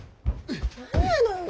何やのよ